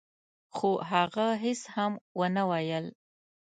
خو هغه هيڅ هم ونه ويل.